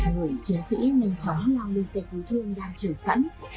người chiến sĩ nhanh chóng lao lên xe cứu thương đang chờ sẵn